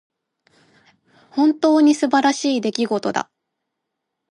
本当に素晴らしい出来事だ。